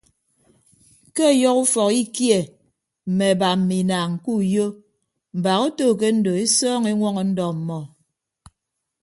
Ke ọyọhọ ufọk ikie mme aba mme inaañ ke uyo mbaak oto ke ndo esọọñọ eñwọñọ ndọ ọmmọ.